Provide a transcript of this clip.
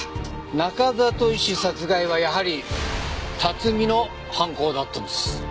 中里医師殺害はやはり辰巳の犯行だったんです。